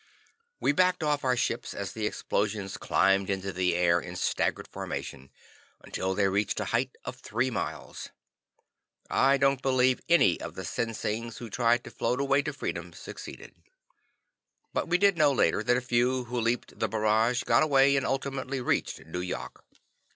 We backed off our ships as the explosions climbed into the air in stagger formation until they reached a height of three miles. I don't believe any of the Sinsings who tried to float away to freedom succeeded. But we did know later, that a few who leaped the barrage got away and ultimately reached Nu yok.